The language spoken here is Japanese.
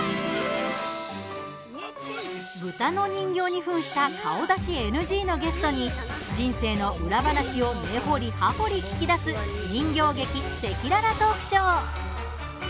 豚の人形にふんした顔出しＮＧのゲストに人生の裏話を根掘り葉掘り聞き出す人形劇、赤裸々トークショー。